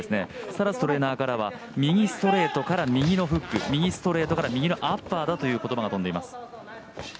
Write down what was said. サラストレーナーからは右ストレートから右のフック、右ストレートから右のアッパーだという言葉が飛んでいます。